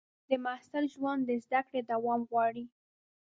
د محصل ژوند د زده کړې دوام غواړي.